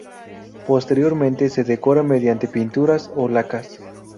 Posteriormente se decora mediante pinturas o lacas.